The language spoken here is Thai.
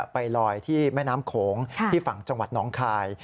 ไปลอยที่แม่น้ำโขงที่ฝั่งจังหวัดน้องคาย